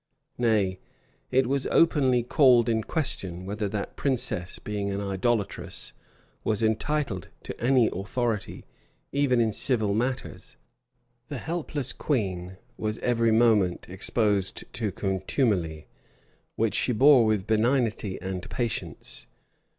[*] Nay, it was openly called in question, whether that princess, being an idolatress, was entitled to any authority, even in civil matters.[] The helpless queen was every moment exposed to contumely, which she bore with benignity and patience.